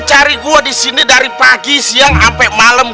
lu cari gua disini dari pagi siang ampe pagi siang